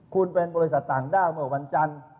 คุณเป็นบริษัทต่างด้าวเมื่อวันจันทร์